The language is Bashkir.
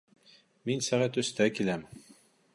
Мин сәғәт өстә киләм.